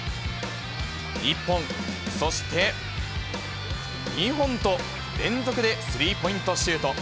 １本、そして２本と、連続でスリーポイントシュート。